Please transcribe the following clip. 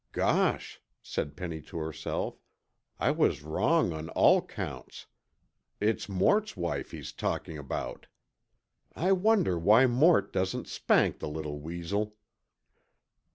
"Gosh!" said Penny to herself. "I was wrong on all counts; it's Mort's wife he's talking about. I wonder why Mort doesn't spank the little weasel."